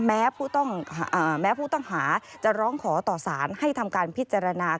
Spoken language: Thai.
แม้ผู้ต้องหาจะร้องขอต่อสารให้ทำการพิจารณา